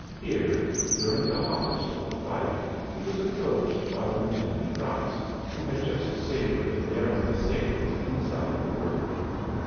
Here, during the hottest of the fight, he was approached by Lieutenant Price, who had just sabred a daring assailant inside the work.